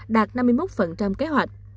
đạt năm mươi một kế hoạch